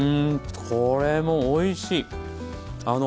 これもおいしい！